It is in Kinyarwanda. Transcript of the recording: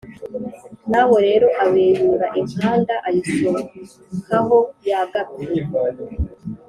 nawe rero abeyura inkanda, ayisokaho; yagapfe,